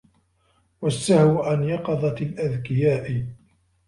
وَالسَّهْوُ عَنْ يَقِظَةِ الْأَذْكِيَاءِ